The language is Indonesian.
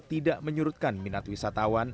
tidak menyurutkan minat wisatawan